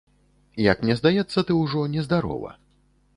Як мне здаецца, ты ўжо нездарова!